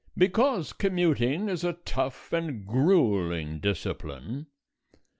Because commuting is a tough and gruelling discipline.